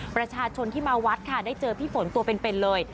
ประชาชนที่มาวัดค่ะได้เจอพี่ฝนตัวเป็นเลย